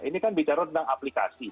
ini kan bicara tentang aplikasi